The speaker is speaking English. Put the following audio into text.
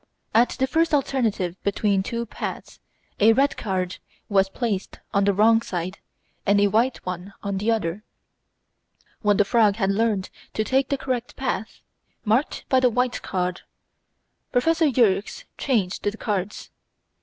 At the first alternative between two paths, a red card was placed on the wrong side and a white one on the other. When the frog had learned to take the correct path, marked by the white card, Prof. Yerkes changed the cards.